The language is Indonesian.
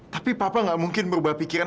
tapi papa gak mungkin berubah pikiran